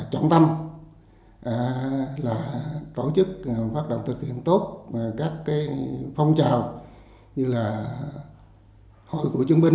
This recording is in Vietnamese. chính bản tính chịuw thưong chịu khó ấy của những người thương binh